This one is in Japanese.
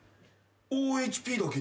ＯＨＰだけど。